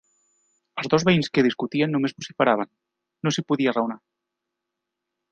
Els dos veïns que discutien només vociferaven: no s'hi podia raonar.